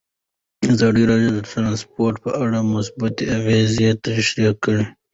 ازادي راډیو د ترانسپورټ په اړه مثبت اغېزې تشریح کړي.